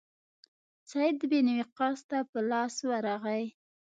سعد بن وقاص ته په لاس ورغی.